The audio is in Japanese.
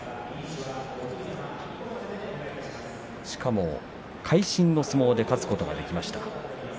しかも、会心の相撲で勝つことができました。